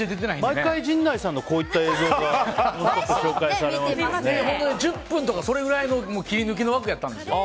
毎回、陣内さんのこういった映像が１０分とかそれぐらいの切り抜きの枠やったんですよ。